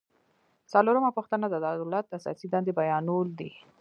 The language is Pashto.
څلورمه پوښتنه د دولت اساسي دندې بیانول دي.